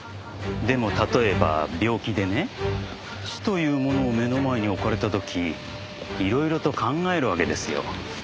でも例えば病気でね死というものを目の前に置かれた時色々と考えるわけですよ。